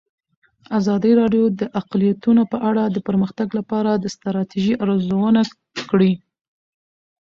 ازادي راډیو د اقلیتونه په اړه د پرمختګ لپاره د ستراتیژۍ ارزونه کړې.